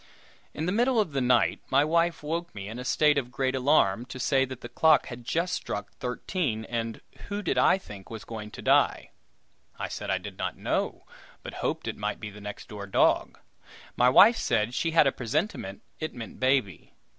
In the middle of the night my wife woke me up in a great state of alarm, to say that the clock had just struck thirteen, and who did I think was going to die? I said I did not know, but hoped it might be the next door dog. My wife said she had a presentiment it meant baby.